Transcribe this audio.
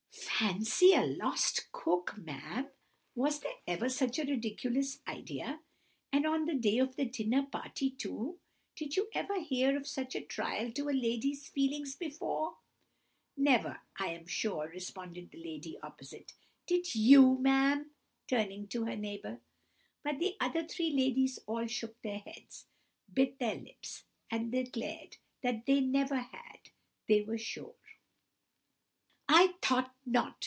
"Fancy a lost cook, ma'am! Was there ever such a ridiculous idea? And on the day of a dinner party too! Did you ever hear of such a trial to a lady's feelings before?" "Never, I am sure," responded the lady opposite. "Did you, ma'am?" turning to her neighbour. But the other three ladies all shook their heads, bit their lips, and declared that they "Never had, they were sure!" "I thought not!"